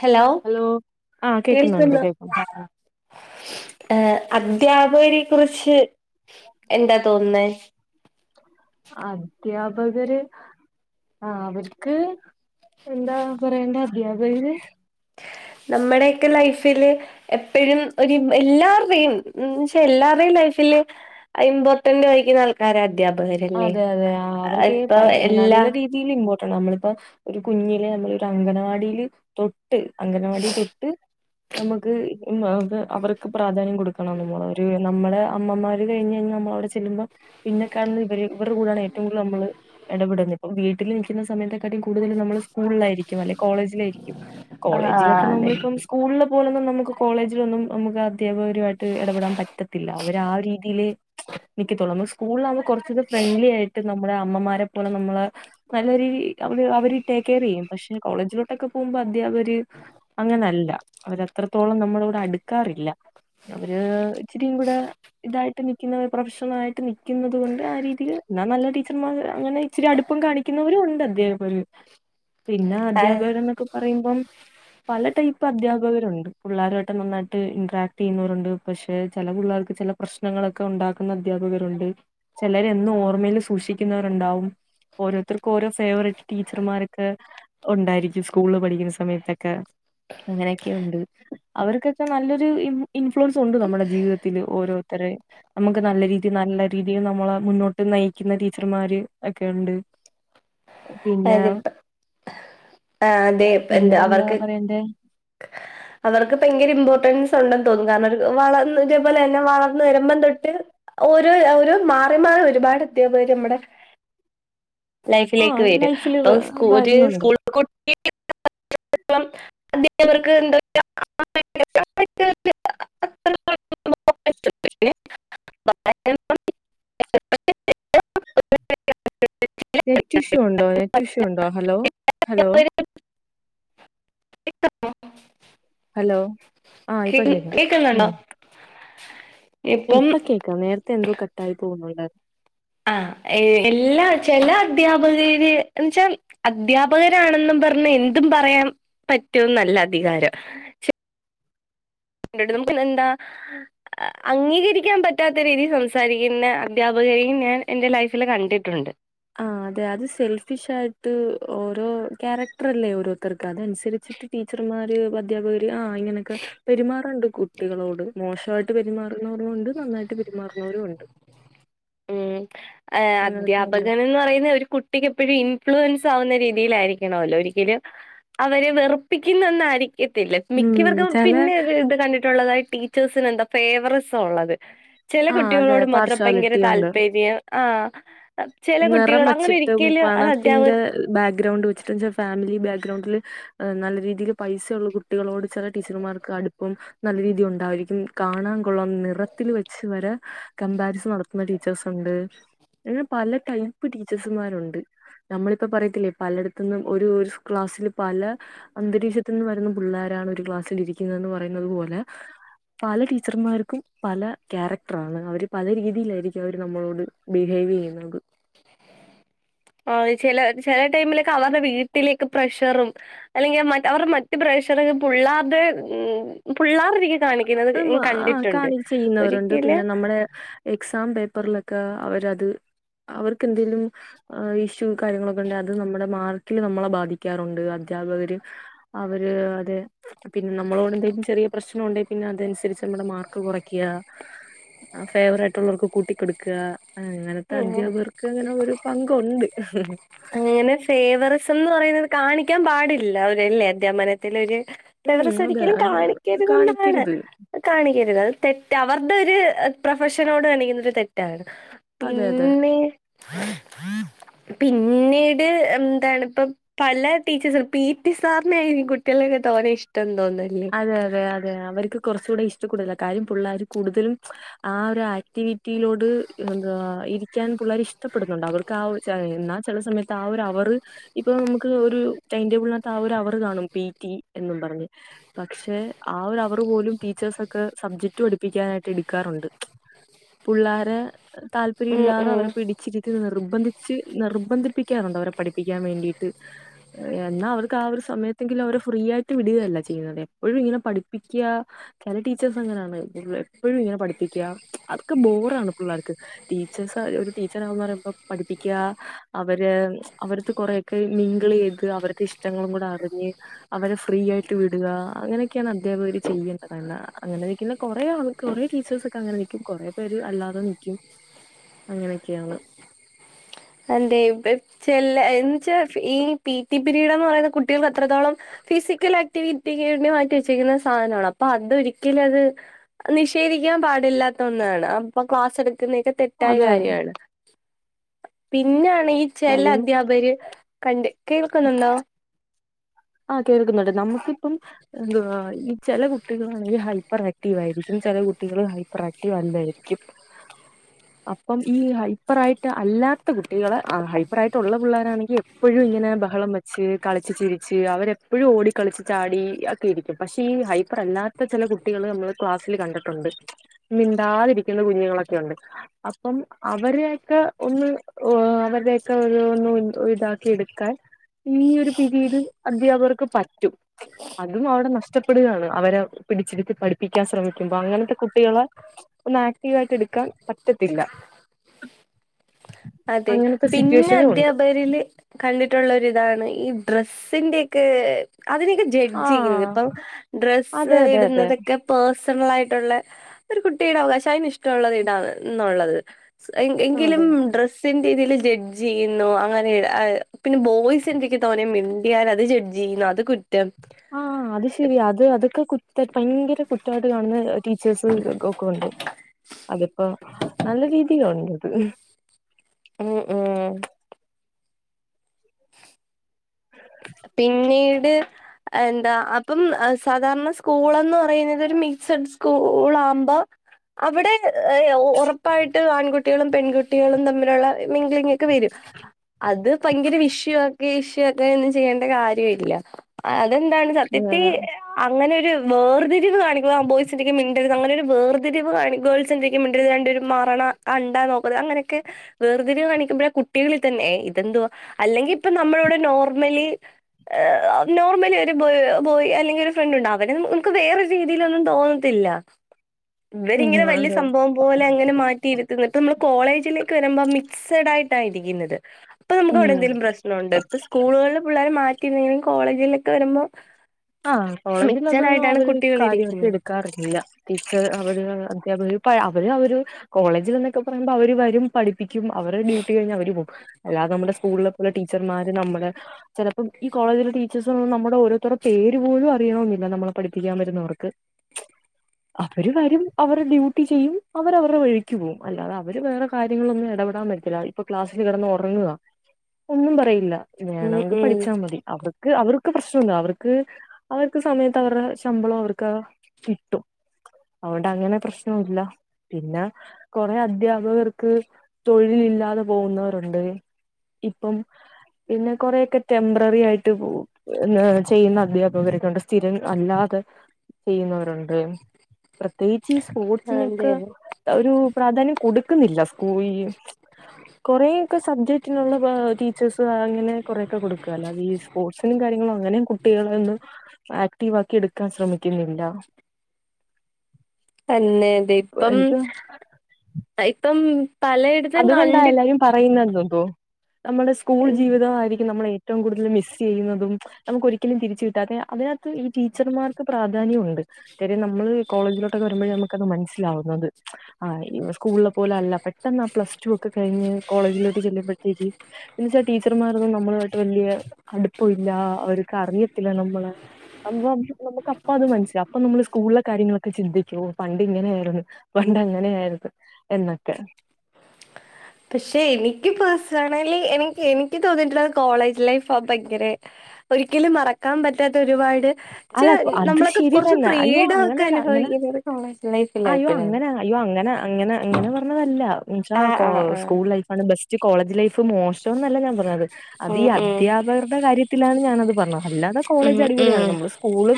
Hello ആഹ് കേക്കുന്നുണ്ട് കേൾക്കുന്നു കേക്കുന്നു പറാ പറാ അഹ് അദ്ധ്യാപകരെ കുറിച്ച് എന്താ തോന്നുന്നേ? അദ്ധ്യാപകര്? ആഹാ അവര്ക്ക് എന്താ പറയേണ്ടേ? അദ്ധ്യാപകര്? നമ്മടെയെക്കെ ലൈഫില് എപ്പെഴും ഒരു എല്ലാവർയും മ് എന്നുവെച്ച എല്ലാവർയും ലൈഫില് ഇമ്പോർട്ടന്റ് വയിക്കുന്ന ആൾക്കാര അധ്യാപകരല്ലേ അതെ ഇപ്പ എല്ലാ തില് ഇമ്പോർട്ടൺ അമ്മളിപ്പോ ഒരു കുഞ്ഞിലെ അമ്മളോരു അങ്കനവാടിയില് തൊട്ട- ട്ട് അംഗനവാടി തൊട്ട് നമ്മക്ക് ഉം അത് അവർക്ക് പ്രാധാന്യം കൊടുക്കണം നമ്മള ഒരു നമ്മടെ അമ്മമാര് കഴിഞ്ഞ് ഴിഞ്ഞ നമ്മള അവിടെ ചെല്ലുമ്പോ പിന്നെ കാണന്നത് ഇവര് ഇവറുടെ കൂടയാണ് ഏറ്റവും കൂടുതല് അമ്മള് എടപെടുന്നെ ഇപ്പോം വീട്ടില് നികിന്ന സമയത്തെക്കാട്ടി കൂടുതല് നമ്മള് സ്കുളിലായിരിക്കും അല്ലെ കോളേജിലായിരിക്കും കോളേജിലൊക്കെ ആഹ് അതെ നമ്മളിപ്പം സ്കൂളിലെ പോലൊന്നും നമുക്ക് കോളേജിലൊന്നും അമുക്ക് അധ്യാപകരുവായിട്ട് എടപെടാം പറ്റത്തില്ല അവര് ആ ഒര് രീതിയില് - നിക്കിത്തോള് അന്ന് സ്കൂൾളാകുമ്പോ കൊറച്ചക്കെ ഫ്രണ്ട്ലി ആയിട്ട് നമ്മുടെ അമ്മമാരെ പോലെ നമ്മള് നല്ലരീതി അവര് അവര് ടേക്ക് കെയർ ചെയ്യും പക്ഷെ കോളേജിലോട്ടൊക്കെ പോകുമ്പോ അധ്യാപകര് അങ്ങനല്ല അവരത്രത്തോളം നമ്മളൊട് അട്ക്കാറില്ല. അവര് ഇച്ചിരികുടെ ഇതായിട്ട് നിക്കുന്നവര് പ്രൊഫഷണൽ ആയിട്ട് നിക്കുന്നത് കൊണ്ട് ആയിരീ ത്തിര് എന്നാ നല്ല ടീച്ചർമാർ അങ്ങനെ ഇച്ചിരി അടുപ്പം കാണിക്കുന്നവരും ഉണ്ട് അധ്യാപകര് പിന്നെ ആഹ് അധ്യാപകര് എന്നൊക്കെ പറയുമ്പം പല ടൈപ്പ് അധ്യാപകരുണ്ട് പുള്ളാരുവാട്ട് നന്നായിട്ട് ഇന്റ്രാക്ട് ചെയ്യുന്നവരുണ്ട് പക്ഷെ ചെല പുള്ളാർക്ക് ചെല- പ്രശ്നങ്ങളൊക്കെ ഉണ്ടാക്കുന്ന അധ്യാപകരുണ്ട് ചെലര് ന്നു ഓർമ്മേല് സൂക്ഷിക്കുന്നവരുണ്ടാവും ഓരോത്തർക്കും ഓരോ ഫേവററ്റ് ടീച്ചർമാരക്കെ ഒണ്ടായിരിക്കും സ്കൂള് പഠിക്കുന്ന സമയത്തെക്കെ അങ്ങനെക്കെയുണ്ട്. അവർക്കൊക്കെ നല്ലൊരു ഇൻ ഇൻഫ്ലുവൻസ് ഒണ്ട് നമ്മുടെ ജീവിതത്തില് ഓരോരുത്തരെ - നമക്ക് നല്ല രീതി നല്ല രീതിയിൽ നമ്മള മുന്നോ- ട്ട് നയിക്കുന്ന ടീച്ചർമാര് എക്കെ ഒണ്ട് പിന്നാ അതിപ്പ ആഹ് അതെ അഹ് എന്താ പിന്നാ എന്നാ അവർക്ക് പറയണ്ടെ [inaudible] അവർക്ക് പയിങ്കര ഇമ്പോർട്ടൻസ് ഉണ്ടെന്ന് തോന്നും കാരണര് വളർന്ന് ഇതേപോലെ തന്നെ വളർന്ന് വരുമ്പം തൊട്ട് ഓരോ ഓ ഓരോ മാറി മാറി ഒരുപാട് അധ്യാപകര് അമ്മടെ ലൈഫിലേക്ക് ആഹ് വരും ലൈഫില് തോ വ- സ്കൂര് വരുന്നുണ്ട് [unintelligible] ളം അധ്യാപകർക്ക് എന്തൊ [unintelligible] [unintelligible] നെറ്റ് ഇഷ്യൂ ഒണ്ടോ നെറ്റ് ഇഷ്യൂ ഒണ്ടോ ഹലോ ഹലോ കേക്കാമോ ഹലോ ആഹ് ഇപ്പൊ കേൾ കേക്കാം കേക്കുന്നോണ്ടോ [inaudible] ഇപ്പ കേക്കാം നേരത്തെ എന്തോ കട്ടായി പോകുന്നുണ്ടയി ആഹ് എൽ എല്ലാ ചെല അദ്ധ്യാപകര് എന്നച്ചാൽ അദ്ധ്യാപകരാണെന്നും പർഞ്ഞ് എന്തും പറയാം പറ്റുന്നല്ല അധികാരം എന്റട് നമുക്ക് ഇന്ന് എന്താ [unintelligible] അംഗീകരിക്കാൻ പറ്റാത്ത രീതിയി സംസാരിക്കുന്ന അധ്യാപകരെയും ഞാൻ എന്റെ ലൈഫില് കണ്ടിട്ടുണ്ട് ആഹ് അതെ അത് സെൽഫിഷായിട്ട് ഓരോ ക്യാരക്ടർ അല്ലേ ഓരോത്തർക്ക് അതൻസരിച്ച് ടീച്ചർമാര് അധ്യാപകര് ആഹ് ഇങ്ങനെയൊക്കെ പെരുമാറണ്ട് കുട്ടികളോട് മോശയി - ട്ട് പെരുമാറുന്നൊരു ഒണ്ട് നന്നായിട്ട് പെരുമാറുന്നൊരു ഒണ്ട് ഉം ആഹ് അങ്ങനത്തെ ഉണ്ട് അദ്ധ്യാപകൽന്ന് പറയുന്ന ഒരു കു- കുട്ടിക്ക് എപ്പഴും ഇൻഫ്ലുവൻസ് ആവുന്ന രീതിയിലായിരിക്കണല്ലോ ഒരിക്കലും അവരെ വെറുപ്പിക്കുന്നന്നായിരി - ക്കാത്തില്ല ഉം മിക്കവർക്കും ചില പിന്നെ ഒരി ഇത് കണ്ടിട്ടുള്ളതായി ടീച്ചേഴ്സിന് എന്താ ഫേവറിസോള്ളത് ചെല ആഹ് അതെ കുട്ടികളോട് മാത്രം പൈങ്കരെ പാർഷ്യാലിറ്റി ഉണ്ട് ര്യ ആഹ് ചെല നിറം കുട്ടിയോട് അങ്ങനെ വച്ചിട്ടും ഇരിക്കല് പണത്തിന്റെ അത്ധ്യാപകര് ബാക്ക്ഗ്രൗണ്ട് വെച്ചിട്ട് ഫാമിലി ബാക്ക്ഗ്രൗണ്ടില് നല്ലരീതില് പൈസയോള്ള കു- കുട്ടികളോട് ചെല ടീച്ചർമാർക്ക് അടുപ്പം നല്ല രീതി ഉണ്ടായിരിക്കും കാണൻ കൊള്ളാം നിറത്തിൽ വെച്ച് വരെ കമ്പാരിസൺ നട- ത്തുന്നാ ടീച്ചേഴ്സ് ഉണ്ട് അങ്ങനെ പലടൈപ്പ് ടീച്ചേഴ്സുമാരുണ്ട് നമ്മളിപ്പപറയത്തില്ലേ പലയിടത്തുന്നും ഒരുഒര്ക്ലാസ്സില് പല അന്തരീക്ഷത്ത്ന്ന് വരുന്ന പുള്ളാരാണ് ഒരു ക്ലാസ്സിലിരിക്കുന്നെന്ന് പറയുന്നത്പോലെ പല ടീച്ചർമാർക്കും പല ക്യാരക്ടറാണ് അവര് പലരീതിയിലായിരിക്കും അവര് നമ്മളോട് ബിഹേവെയ്യുന്നത് ആഹ് ചെലചെലടൈമിലൊക്കെ അവർടെ വീട്ടിലേക്ക്പ്രഷറും അല്ലെങ്കിമറ്റ് അവർടെ മറ്റു ബ്രയിഷറ് പുള്ളാർടെ ഉം പുള്ളാർരിക്ക് ആഹ് മ്മാ ആഹ് കാണിചെയ്യുന്നവരുണ്ട് ഒരിക്കല് പിന്നെനമ്മുടെ എക്സാംപേപ്പർളൊക്ക അവരത് അവർക്ക്എന്തേലും ആഹ് ഇഷ്യു കാര്യങ്ങളൊക്കെ ഇണ്ടേ അത് നമ്മുടെ മാർക്കില്നമ്മളെ ബാധിക്കാറുണ്ട് അധ്യാപകര് അവര് അതെ പിന്നെ നമ്മളോട് എന്തെങ്കി ചെറിയ പ്രശ്നംഉണ്ടേ പിന്നെ അതൻസരിച്ച് അമ്മടെമാർക്ക്കുറയ്ക്ക ഫേവറേറ്റുള്ളോൽക്ക്കൂട്ടിക്കൊടുക്ക ആഹ് അങ്ങനത്തെ അധ്യാപകർക്ക് അങ്ങനെഒരുപങ്കൊണ്ട് അങ്ങനെ ഫേവറിസംന്ന് പറയുന്നത് കാണിക്കാൻ പാടില്ല അവരല്ലേ അദ്ധ്യാപനത്തിലൊര് ഉം ഫ്രേവറിസം അതെ ഒരിക്കലും അത് കാണിക്കരുത് എന്നാണ് കാണിക്കരുത് കാണിക്കരുത് അത് തെറ്റ് അവർടെ ഒര് പ്രൊഫഷനോട് കാണിക്കുന്ന ഒരു തെറ്റാണ് അതെ അതെ പിന്നെ [unintelligible] പിന്നീട് എന്താണ്ഇപ്പം പല ടീച്ചേഴ്സിനും പി ടി സാറിനെ ഇ കുട്ടിളൊക്കെ തോനഇഷ്ടംതോന്ന് അതെ അതെ അതെ അവർക്ക് കുറച്ചൂടെ ഇഷ്ടംകൂടല കാര്യം പുള്ളേര് കൂടുതലും ആഹ് ഒരു ആക്ടിവിറ്റിയിലോട് എന്തുവ ഇരിക്കാൻ പുള്ളേര് ഇഷ്ടപ്പെടുന്നുണ്ട് അവൾ ക്കഓവ് ചകയ്യുംന്നാ ചെലസമയത്ത് ആഹ് ഒര് അവറ് ഇപ്പം നമ്മക്ക് ഒരു ടൈംടേബിളിനകത്ത് ആഹ് ഒര് അവറ്കാണും പീ റ്റി എന്നും പറഞ്ഞ് പക്ഷെ ആഹ് ഒരു അവ റുംപോലും ടീച്ചേഴ്സൊക്കെ സബ്ജക്റ്റു പഠിപ്പിക്കാനായിട്ട് എട്ക്കാറുണ്ട് പുള്ളാരേ ഉം താല്പര്യംഇല്ലാതെ ഉം അവരെപിടിച്ചിരുത്തി നിർബന്ധി ച്ച് നിർബന്ധിപ്പിക്കാറുണ്ട് അവരെ പഠിപ്പിക്കാൻവേണ്ടിയിട്ട് എന്നാ അവർക്ക് ആഹ് ഒരു സമയത്തെങ്കിലും അവരെ ഫ്രീ ആയിട്ട് വിടുകയല്ല ചെയ്യുന്നതേ എപ്പൊഴും ഇങ്ങനെ പഠിപ്പിക്ക്യ ചെല ടീച്ചേഴ്സ് അങ്ങനെയാണ് എപ്പഴും ഇങ്ങനെ പഠിപ്പിക്ക്യ അതൊക്കെ ബോറാണ്പിള്ളേര്ക്ക് ടീച്ചേഴ്സ് ആക ഒരു ടീച്ചറാകാന്ന് പറയുമ്പോ പഠിപ്പിക്ക അവര് അവർത്ത് കൊറെ ക്കെ മിംഗിളെ ചെയ്ത് അവരുടെ ഇഷ്ടങ്ങളും കൂടെ അറിഞ്ഞ് അവരെ ഫ്രീ ആയിട്ട് വിടുക അങ്ങനെയൊക്കേണ് അധ്യാപകര് ചെയ്യേണ്ടതന്ന അങ്ങനെ നിക്കിന്ന കുറെആൾ കുറെേടീച്ചേഴ്സൊക്കെ അങ്ങനെനിക്കും കുറേ പര് അല്ലാതെനിക്കും അങ്ങനെയൊക്കേണ് എന്തേയും പേർ ചെല എന്ന്വച്ച ഫീഈ പീ റ്റി പിരീഡംന്ന് പറയുന്ന കുട്ടികൾക്ക് അത്രത്തോളം ഫിസിക്കലാആക്ടിവിറ്റികീർണി മാറ്റി വെച്ചിക്കിന്ന സാധനമാണ് അപ്പൊ അതൊരിക്കലും അത് നിഷേധിക്കാൻ പാടില്ലാത്ത ഒന്നാണ് അപ്പൊ ക്ലാസ്സ് എടുക്കുന്നതേക്കെ തെറ്റായ അതെ കാര്യമാണ് പിന്നാണ് ഈ ചെല കാര്യം അധ്യാപകര് കണ്ട് കേൾക്കുന്നുണ്ടോ ആഹ് കേൾക്കുന്നുണ്ട് നമ്മക്കിപ്പം എന്തുവാ ഈ ചെലകുട്ടികളാണെങ്കി ഹൈപ്പർ ആക്റ്റീവ് ആയിരിക്കും ചെല കുട്ടികള് ഹൈപ്പർആക്റ്റീവ് അല്ലായിരിക്കും [inaudible] അപ്പം ഈ ഹൈപ്പറായിട്ട് അല്ലാത്ത കുട്ടികളെ അഹ് ഹൈപ്പറായിട്ടുള്ള പിള്ളോരാണെങ്കി എ പ്പഴുംഇങ്ങനെ ബഹളംവെച്ച് കളിച്ച് ചിരി ച്ച് അവരെപ്പഴും ഓടികളിച്ച്ചാടി ഒക്കെ ഇരിക്കും പക്ഷെ ഈ ഹൈപ്പറല്ലാത്ത ചെല കു ട്ടികള് നമ്മള് ക്ലാസ്സില് കണ്ടിട്ടുണ്ട് മിണ്ടാതിരിക്കുന്ന കുഞ്ഞുങ്ങളൊക്കെയുണ്ട് അപ്പം അവരോക്കെ ഒന്ന് അവര്ടെക്കെ ഒതുഒന്നുഎന്തോഇതാക്കി എടുക്കാൻ ഈ ഒരു പിരീഡ് അദ്ധ്യാപകർക്ക്പറ്റും അതും അവടെ നഷ്ടപ്പെടുകയാണ് അവരെ പിടിച്ചികെട്ടിപഠിപ്പിക്കാൻ ശ്രമിക്കുമ്പോ അങ്ങനത്തെകുട്ടികളെ ഒന്ന് ആക്റ്റീവായിട്ട് എടുക്കാൻ പറ്റത്തില്ല അതെ അങ്ങനത്തെ പിന്ന സിറ്റുവേഷനും അധ്യ ഉണ്ട് പകരില് കണ്ടിട്ടോള്ളൊരിതാണ് ഈ ഡ്രസ്സിന്റെക്കെ അതെനിക്ക്‌ ജഡ്ജ് ചെയ്യുന്ന ആഹ് ഇപ്പം അതെ ഡ്രസ്സ് അതെ അതെ ഇടുന്നതെക്കെ പേഴ്സണലായിട്ടുള്ള ഒര് കുട്ടീടെ അവകാശ അയ്ന് ഇഷ്ടോള്ളത് ഇടാന്നുള്ളത് എങ്ക് എങ്കിലും അതെ ഡ്രസ്സിന്റെതില് ജഡ്ജ് ചെയ്യുന്നു അങ്ങനെ അ പിന്നെ ബോയ്സ് എന്റെക്കെ തോനെ മിണ്ടിയാലത് ജഡ്ജ് ചെയ്യുന്നു അത് കുറ്റം ആഹ് അത് ശെരിയാ അത് അതെക്കെ കുറ്റവയിട്ട് ഭയങ്കര കുറ്റവായിട്ട് കാണുന്ന അ ടീച്ചേഴ്സ് അ പ്പ ഒണ്ട് അതിപ്പോ നല്ല രീതിയിലോണ്ടത് ഉം ഉം പിന്നീട് എന്താ അപ്പം അ സാധാർണ സ്കൂളെന്ന് പറയുന്നത് ഒരു മിക്സഡ് സ്കൂളാവ്മ്പ അവിടെ അ ഒ ഒറപ്പായിട്ട് ആൺകുട്ടികളും പെൺകുട്ടികളും തമ്മിലൊള്ള മിങ്ലിം ഒക്കെ വെരും അത് പയ്ങ്കര വിഷ്യവാക്കി ഇഷ്യു ആക്കി അത്രെയൊന്നും ചെയ്യേണ്ട കാര്യവില്ല അ അതെന്താണ് സത്യത്തി അങ്ങനൊര് വേർതിരിവ് കാണിക്കുമ്പ ആ ബോയ്സിന്റ്ക്കെ മിണ്ടരുത് അങ്ങനൊര് വേർതിരിവ് കാണിക്ക്‌മ്പ സന്തെഹ്യമ്ണ്ട് രണ്ട് പേരും മാറണ ആ ഇണ്ടാ നോക്കുവത് അങ്ങനെക്കെ വേർതിരിവ് കാണിക്കുമ്പഴ കുട്ടികളിൽ തന്നെ ഇതെന്തുവാ അല്ലെങ്കി ഇപ്പം നമ്മളോട് നോർമലി അ അത നോർമലി ഒര് ബോയ് ബോയി അല്ലെങ്കി ഒര് ഫ്രണ്ട് ഉണ്ടാ അവരെ നമു നമ്ക്ക് വേറൊരു രീതിയിലൊന്നും തോന്ന ത്തില്ല ഉം ഇവരിങ്ങനെ വലിയ അതെ സംഭവം ഓലെ അങ്ങന മാറ്റിയിരുത്ത്ന്ന് പ്പ നമ്മള് കോളേജിലേക്ക് വരുമ്പം മിക്സഡ് ആയിട്ട ഇരിക്ക്‌ന്നത് ഇപ്പ നമ്ക്ക് ഇവിട ഉം എന്തെലും പ്രശ്നോണ്ട് ഇപ്പ സ്കൂള്കളില് പുള്ളാരെ മാറ്റിരുന്നെങ്കിലും കോളേജിലെക്കെ വരുമ്പോ ആഹ് മിക്സഡ് കോളേജിലതൊന്നും ആയിട്ടാണ് അവര് കുട്ടികൾ കാര്യാട്ട് ഒക്കെ ഇരിക്കുന്നത് എടുക്കാറില്ല ടീച്ചറ് അവര് അവ അധ്യാപകരും ഇപ്പ അവര് അവര് കോളേജ്ന്നെക്കെ പറയുമ്പ അവര് വരും പഠിപ്പിക്കും അവരെ ഡ്യൂട്ടി കഴിഞ്ഞാ അവര് പോം അല്ലാത നമ്മടെ സ്കൂൾലെ പോല ടി ടീച്ചർമാര് നമ്മള് ചെലപ്പോ ഈ കോളജില ടീച്ചേഴ്സും നമ്മുടെ ഓരോര്ത്തര പേര് പോലും അറിയണോന്നില്ല നമ്മള പഠിപ്പിക്കാം വരുന്നവർക്ക് [inaudible] അവര് വരും അവര ഡ്യൂട്ടി ചെയ്യും അവര അവരുട വഴിക്ക് പോവും അല്ലാതവര് വേറെ കാര്യങ്ങളില് ഒന്നും ഇടപെടാൻ വരുത്തില്ല ഇപ്പ ക്ലാസ്സില് കെടന്ന് ഒറങ്ങുക ഒന്നും പറയില്ല ഉം വേണോങ്കി ഉം പഠിച്ച മതി അവർക്ക് അവർക്ക് പ്രശ്നംന്ത അവർക്ക് ക്ക് അവർക്ക് സമയത്തവരുടെ ശമ്പളം അവർക്ക കിട്ടും അവിട അങ്ങനെ പ്രശ്ണോല്ല പിന്ന കൊറെ അധ്യാപകർക്ക് തൊഴിലില്ലാതെ പോവുന്നവരോണ്ട് ഇപ്പം പിന്നെ കൊറെയെക്കെ റ്റെംപറെറി ആയിട്ട് പോവും എന്ന് ചെയ്യുന്ന അധ്യാപകരെക്കെ ഒണ്ട് സ്ഥിരം അല്ലാതെ ചെയ്യുന്നവരോണ്ടെ പ്രതേകിച്ച് ഈ സ്പോർട്സിനെക്ക അതെ അതെ ഒരു പ്രാധാന്യം കൊടുക്ക്‌ന്നില്ല സ്കൂയ്യ് കൊറെക്ക സബ്ജക്റ്റിനുള്ള ബാ ടീച്ചേഴ്സ് അങ്ങനെ കൊറെക്കെ കൊടുക്കാൻല ലീവ്സ് പോർട്സിലും കാര്യങ്ങള്ലും അങ്ങനെയും കുട്ടികളെ ഒന്നും ആക്റ്റീവാക്കി എടുക്കാൻ ശ്രമിക്കുന്നില്ല തന്നെ തെ ഇപ്പം എനിക്ക് അ ഇപ്പം പലെ അതുകൊണ്ടാ എല്ലാരും പറയുന്നതുംപ്പോ നമ്മുടെ സ്കൂൾ ജീവിതവായിരിക്കും നമ്മളെ ഏറ്റവും കൂടുതല് മിസ്സ് ചെയ്യുന്നതും നമുക്കൊരിക്കലും തിരിച്ചു കിട്ടാത്തെ അതിനാത്ത് ഈ ടീച്ചർമാർക്ക് പ്രാധാന്യവോ ത് കാര്യം നമ്മള് കോളേജിലോട്ടൊക്കെ വരുമ്പഴെ നമുക്കത് മനസ്സിലാവുന്നത് ആഹ് ഇ സ്കൂൾല പോലല്ല പെട്ടെന്ന പ്ലസ് ടു ഒക്ക കഴിഞ്ഞ് കോളേജിലോട്ട് ചെല്ലുമ്പഴ്ത്തേക്ക് എന്ന് വെച്ചാ ടീച്ചർമാർക്കൊന്നു നമ്മളുവായിട്ട് വല്യ അടുപ്പവില്ല അവര്ക്ക് അറിയത്തില്ല നമ്മള അത് നമുക്ക് നമുക്കപ്പാത് മനസിലാവും അപ്പ നമ്മള് സ് സ്കൂളില കാര്യങ്ങളൊക്കെ ചിന്തിക്കുവോ പണ്ട് ഇങ്ങനെയായിരുന്നു പണ്ടങ്ങനെയായിരുന്നു എന്നൊക്കെ പക്ഷെ എനിക്ക് പേഴ്സണലി എനിക്ക് എനിക്ക് തോന്നിട്ടുള്ളത് കോളേജ് ലൈഫ് ആ ഭയങ്കരെ ഒരിക്കലും മറക്കാം പറ്റാത്ത ഒരുപാട് ച്ച് അല്ല അത് നമ്മളക്ക ശരി കൊറച്ച് തന്നെ. അയ്യോ ഫ്രീഡോക്കെ അങ്ങനെയല്ല. അങ്ങനെ അനുഭവിക്കുന്നത് കോളേജ് ലൈഫില അയ്യോ ഇപ്പ ഞാന് അങ്ങനെ അയ്യോ അങ്ങനെ അങ്ങനെ അങ്ങന പറഞ്ഞ ഇതല്ല ആഹ് ആഹ് സ്കൂൾ ലൈഫാണ് ബെസ്റ്റ് കോളേജ് ലൈഫ് മോശം എന്നല്ല ഞാൻ പറഞ്ഞത്. അത് ഉം ഈ ഉം അധ്യാപകരുടെ കാര്യത്തിലാണ് ഞാനത് പറഞ്ഞത് അല്ലാതെ ഉം കോളേജ് അടിപൊളിയാണ് ഉം നമ്മൾ. സ്കൂള്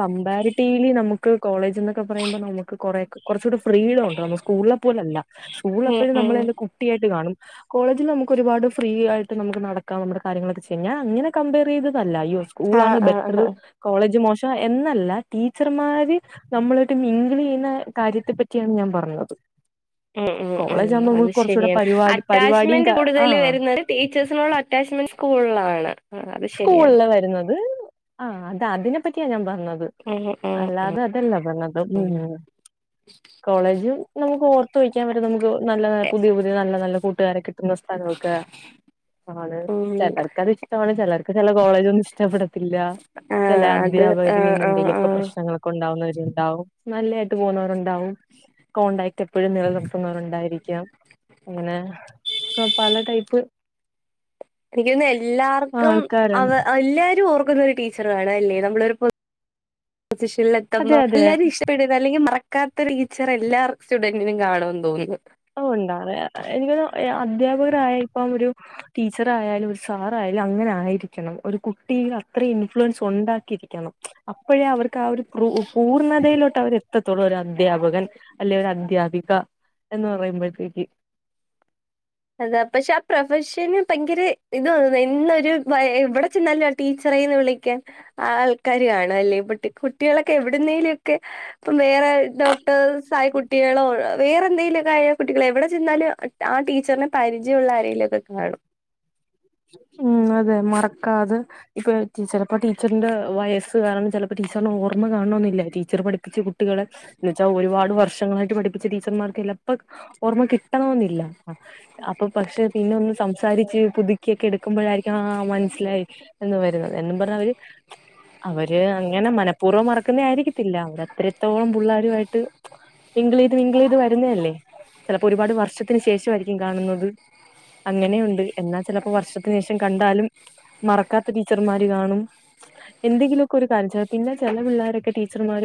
കമ്പാരിറ്റീവ്ലി നമുക്ക് കോളേജ് എന്നൊക്കെ പറയുമ്പോ നമുക്ക് കുറെ കുറച്ച കൂടെ ഫ്രീയില ഉണ്ട് നമ്മ സ്കൂളിലെ പോലെ അല്ല സ്കൂളില ഉം എപ്പോഴും ഉം നമ്മളെറെ കുട്ടിയായിട്ട് കാണും. കോളേജിൽ നമുക്ക് ഒരുപാട് ഫ്രീ ആയിട്ട് നമുക്ക് നടക്കാം നമ്മ കാര്യങ്ങളൊക്കെ ചെയ്യിഞ്ഞാ അങ്ങനെ കമ്പയർ ചെയ്തല്ല ഈ സ്കൂളാണ് ആഹ് ആഹ് ബെറ്റർ ആഹ് കോളേജ് മോ ശം എന്നല്ല ടീച്ചർമാര് നമ്മളായിട്ട് മിങ്ങലെ ചെയ്യുന്ന കാര്യത്തെ പറ്റിയാണ് ഞാൻ പറഞ്ഞത്. ഉം ഉം ഉം കോളേജ് ആകുമ്പോ അത് നമുക്ക് കുറച്ചുകൂടെ ശരിയാണ് പരിപാടി പരിപാടിയും അറ്റാച്ച്മെന്റ് കൂടുതൽ ആഹ് വരുന്ന ടീച്ചേഴ്സിനുള്ള അറ്റാമെന്റ് സ്കൂളിലാണ്. ആഹ് അത് ശരിയാണ്. സ്കൂളില് വരുന്നത് ആ അത അതിനെ പറ്റിയാ ഞാൻ പറഞ്ഞത്. ഉം ഉം അല്ലാതെ അതല്ല പറഞ്ഞതും ഉ ഉം കോളേജും. നമുക്ക് ഓർത്ത് വഴിക്കാൻ വരെ നമുക്ക് നല്ല പുതിയ പുതിയ നല്ല നല്ല കൂട്ടുകാരൊട്ടും കുന്ന സ്ഥലൊക്കൊണ് ഉം ചിലർക്കത് ഇഷ്ടമാണ് ചിലർക്ക് ചില കോളേജ ഒന്നും ഇഷ്ടപ്പെട ചില ആഹ് അത് അധ്യാപകരി ആഹ് ആഹ് നിന്നെന്തെങ്കിലുമൊക്കെ ആഹ് പ്രശ്നങ്ങള ഉണ്ടാവുന്നവരുണ്ടാവും നല്ലായിട്ട് പോകുന്നവരുണ്ടാവും. കോടാക്ട് എപ്പോഴും നിലനിർത്തുന്നവരുണ്ടായിരിക്കാം. എങ്ങനെ പല ടൈപ്പ് എനിക്കൊന്ന് എല്ലാവർക്കും അവ ആൾക്കാരാണ് എല്ലാവാരും ഓർക്കുന്ന ഒരു ടീ ഏവരും ഒരു പോളിസിയും എ അതെ തുടരുന്ന അതെ എല്ല വാരുംഇഷ്ടപെടുനനാ അല്ലെങ്കിൽ മറക്കാത്ത ടീച്ചർ എല്ലാ സ്റ്റുഡന്റിനും കാണുമന്ന് തോന്നുന്നു. ഉണ്ടാ അ എനിക്കൊ അധൃപകര്യ ഇപ്പം ഒരു ടീച്ചറ ആായാലും ഒരു സാറ ആയാലും അങ്ങനെ ആയിരിക്കണം ഒരു കുട്ടിൽ അത്ര ഇൻഫ്ലുവൻസ് ഉണ്ടാക്കിയിരിക്കും. അപ്പോഴേ അവർക്ക് ആ ഒരു പൂർണ്ണതയിലോട്ട് അവരെ ഇത്തത്തോളം ഒരു അധ്യാപകൻ അല്ലെ ഒരു അദ്ധ്യാപിക എന്ന് പറയുമ്പോഴത്തേക്ക് അതെ പക്ഷെ ആ പ്രൊഫഷന് ഭയങ്കര ഇത് തന്നുന്നു ഇന്നൊരു ഇവിടെ ചെന്നാലും. ടീച്ചറന്ന് വിളിക്കാൻ ആ ആൾക്കാര ആണ അല്ലേ ഇട്ടി കുട്ടികളൊക്കെ എവിടുന്നേലും ഒക്കെ ഇപ്പം വേറെ ഡോക്ടേഴ്സ് ആയ കുട്ടികളോ വേറെ എന്തെങ്കിലുമക്കെ ആ കുട്ടികളോ എവിടെ ചെന്നാലും ആ ടീ ടിചാർ പരിചയള്ള ആരെങ്കിലൊക്കെ കാണും. ഉം അതെ മറക്ക അത് ഇപ്പൊ ചിലപ്പോ ടീച്ചറിന്റെ വയസ്സ് കാരണം ചിലപ്പോ ടീച്ചറിനെ ഓർമ്മ കാണൊന്നില്ല ടീച്ചർ പഠിപ്പിച്ചച്ച് കുട്ടികളെ എന്നുവച്ച് ൽ ഒരുപാട് വർഷങ്ങളായിട്ട് പഠിപ്പിച്ച ടീച്ചർമാർക്ക് ചിലപ്പോ ഓർമ്മ കിട്ടണമെന്നില്ല അപ്പൊ പക്ഷെ പിന്നെ ഒന്ന് സംസാരിച്ച് പുതി പുതുക്കിയ ഒക്കെ എടുക്കുമ്പോഴായിരിക്കും ആ മനസ്സിലായി. എന്ന് വരുന്നത് എന്നും പറഞ്ഞാ അവര് അവര് അങ്ങനെ മനഃപൂർവം മറക്കുന്നേ ആയിരിക്കത്തില്ല അവര്ത്രത്തോളം പിള്ളരുയിട്ട് വിംഗിൾ ചെയ്ത് വിംഗിൾ ചെയ്ത് വരുന്നതല്ലേ ചിലപ്പോ ഒരുപാട് വർഷത്തിന് ശേഷംമായിരിക്കും കാണുന്നത്. അങ്ങനെയുണ്ട് എന്നാൽ ചിലപ്പോ വർഷത്തിന് ശേഷം കണ്ടാലും മറക്കാത്ത ടീച്ചർമാര് കാണും. എന്തെങ്കിലൊക്കെ ഒരു കാര്ം പിന്നെ ചില പിള്ളോരൊക്കെ ടീച്ചർമാര